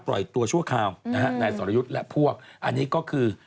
ปล่อยตัวชั่วคราวในสละยุทธ์และพวกอันนี้ก็คือ